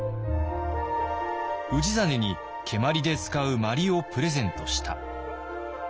「氏真に蹴鞠で使う鞠をプレゼントした」。